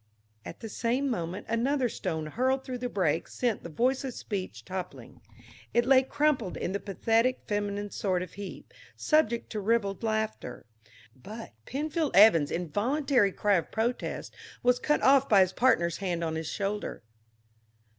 At the same moment another stone hurled through the break sent the Voiceless Speech toppling; it lay crumpled in a pathetic feminine sort of heap, subject to ribald laughter, but Penny Evans' involuntary cry of protest was cut off by his partner's hand on his shoulder.